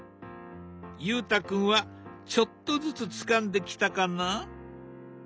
裕太君はちょっとずつつかんできたかな？